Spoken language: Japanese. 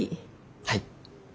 はい。